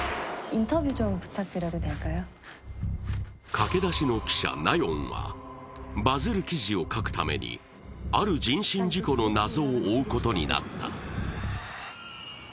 駆け出しの記者、ナヨンはバズる記事を書くためにある人身事故の謎を追うことになった。